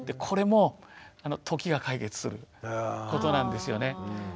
これも時が解決することなんですよね。